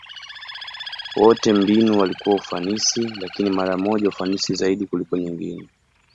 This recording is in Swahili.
Wote mbinu walikuwa ufanisi, lakini mara moja ufanisi zaidi kuliko nyingine.